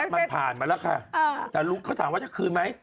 มันผ่านมาแล้วค่ะแต่เขาถามว่าจะคืนไหม